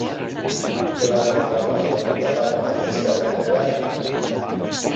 Què va fer, la noia, davant aquesta llambregada?